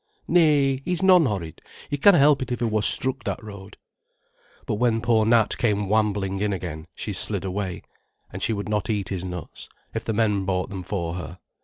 "Nay, he's non horrid; he canna help it if he wor struck that road." But when poor Nat came wambling in again, she slid away. And she would not eat his nuts, if the men bought them for her.